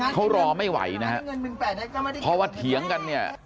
เขารอไม่ไหวนะฮะเพราะว่าเถียงกันเนี่ย